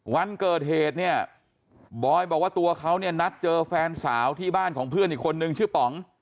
วันเกิดเหตุเนี่ยบอยบอกว่าตัวเขาเนี่ยนัดเจอแฟนสาวที่บ้านของเพื่อนอีกคนนึงชื่อป๋อง